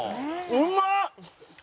うまっ！